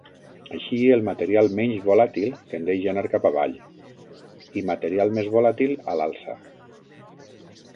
Així, el material menys volàtil tendeix a anar cap avall, i material més volàtil a l'alça.